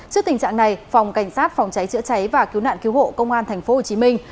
trước tình trạng này phòng cảnh sát phòng cháy chữa cháy và cứu nạn cứu hộ công an thành phố hồ chí minh